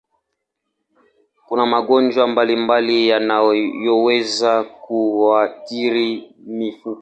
Kuna magonjwa mbalimbali yanayoweza kuathiri mifupa.